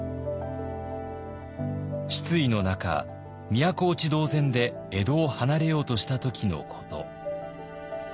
失意の中都落ち同然で江戸を離れようとした時のこと。